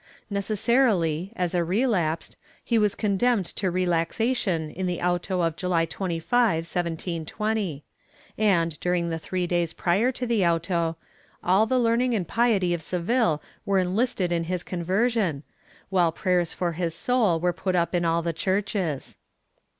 Neces sarily, as a relapsed, he was condemned to relaxation in the auto of July 25, 1720, and, during the three days prior to the auto, all the learning and piety of Seville were enlisted in his conversion, while prayers for his soul were put up in all the churches.